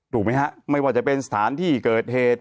ถูกไหมฮะไม่ว่าจะเป็นสถานที่เกิดเหตุ